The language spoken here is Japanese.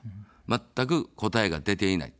まったく答えが出ていない。